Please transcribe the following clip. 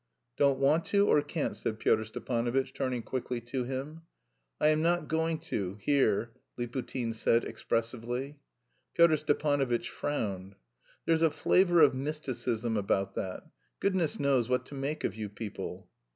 "Don't want to or can't?" said Pyotr Stepanovitch, turning quickly to him. "I am not going to here," Liputin said expressively. Pyotr Stepanovitch frowned. "There's a flavour of mysticism about that; goodness knows what to make of you people!"